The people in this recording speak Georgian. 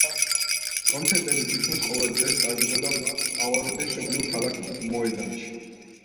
კონცერტები თითქმის ყოველ წელს ტარდებოდა პავაროტის მშობლიურ ქალაქ მოდენაში.